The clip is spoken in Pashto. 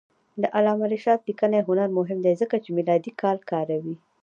د علامه رشاد لیکنی هنر مهم دی ځکه چې میلادي کال کاروي.